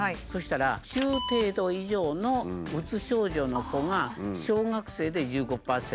そしたら中程度以上のうつ症状の子が小学生で１５％。